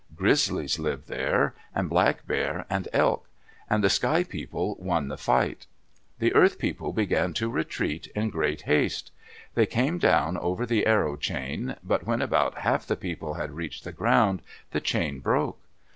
Grizzlies lived there, and Black Bear and Elk. And the Sky People won the fight. The Earth People began to retreat in great haste. They came down over the arrow chain, but when about half the people had reached the ground, the chain broke.